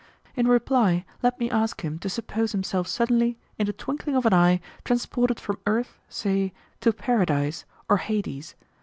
In reply let me ask him to suppose himself suddenly, in the twinkling of an eye, transported from earth, say, to Paradise or Hades.